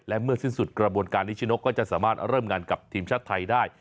และเมื่อสิ้นสุดกระบวนการนิชนกก็จะสามารถเริ่มงานกับทีมชาติไทยได้